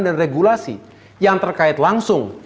dan regulasi yang terkait langsung